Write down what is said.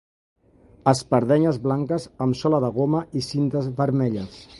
Espardenyes blanques amb sola de goma i cintes vermelles.